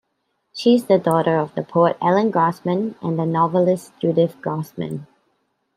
She is the daughter of the poet Allen Grossman and the novelist Judith Grossman.